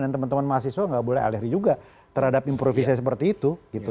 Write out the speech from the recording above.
dan teman teman mahasiswa nggak boleh aleri juga terhadap improvisasi seperti itu